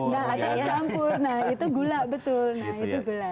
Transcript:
enggak ada es campur nah itu gula betul